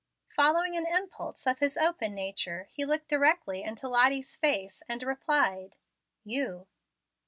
Following an impulse of his open nature, he looked directly into Lottie's face, and replied, "You."